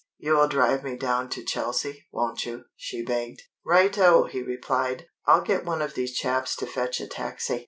"You will drive me down to Chelsea, won't you?" she begged. "Righto!" he replied. "I'll get one of these chaps to fetch a taxi."